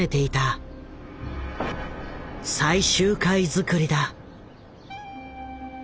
最終回作りだ。